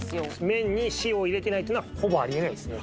麺に塩を入れてないってのはほぼあり得ないですね